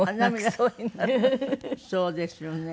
そうですよね。